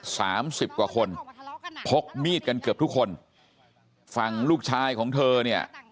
สามสิบกว่าคนพกมีดกันเกือบทุกคนฝั่งลูกชายของเธอเนี่ย